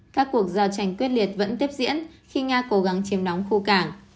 các cuộc giao tranh quyết liệt vẫn tiếp diễn khi nga cố gắng chiếm đóng khu cảng